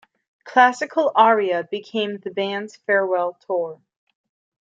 'Classical Aria' became the band's farewell tour.